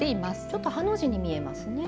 ちょっとハの字に見えますね。